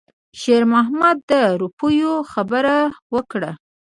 شېرمحمد د روپیو خبره وکړه.